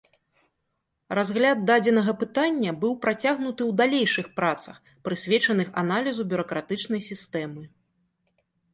Разгляд дадзенага пытання быў працягнуты ў далейшых працах, прысвечаных аналізу бюракратычнай сістэмы.